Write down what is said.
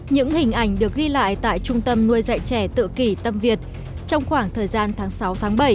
những hình ảnh được ghi lại tại trung tâm nuôi dạy trẻ tự kỷ tâm việt trong khoảng thời gian tháng sáu bảy